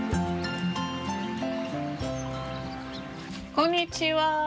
こんにちは。